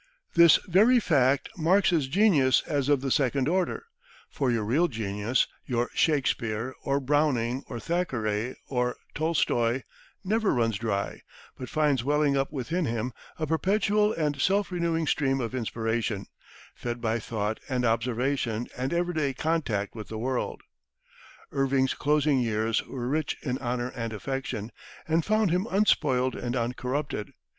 This very fact marks his genius as of the second order, for your real genius your Shakespeare or Browning or Thackeray or Tolstoi never runs dry, but finds welling up within him a perpetual and self renewing stream of inspiration, fed by thought and observation and every day contact with the world. Irving's closing years were rich in honor and affection, and found him unspoiled and uncorrupted.